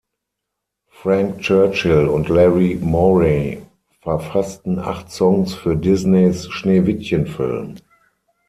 Frank Churchill und Larry Morey verfassten acht Songs für Disneys Schneewittchen-Film.